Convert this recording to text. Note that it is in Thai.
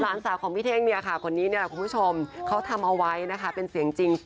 หลานสาวของพี่เท่งเนี่ยค่ะคนนี้เนี่ยคุณผู้ชมเขาทำเอาไว้นะคะเป็นเสียงจริง